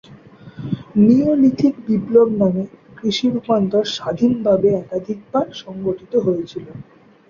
Neolithic বিপ্লব নামে কৃষি রূপান্তর স্বাধীনভাবে একাধিকবার সংঘটিত হয়েছিল।